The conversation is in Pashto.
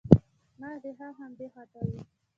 مخ دې هم همدې خوا ته وي.